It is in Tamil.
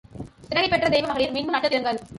சிறகைப் பெற்ற தெய்வ மகளிர், மின்னும் நட்சத்திரங்கள்.